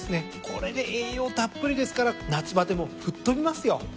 これで栄養たっぷりですから夏バテも吹っ飛びますよ。